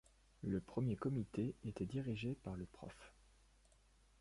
Le premier comité était dirigé par le Prof.